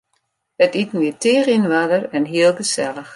It iten wie tige yn oarder en hiel gesellich.